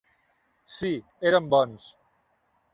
Sí, eren bons.